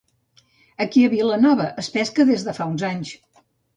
Aquí a Vilanova es pesca des de fa uns anys.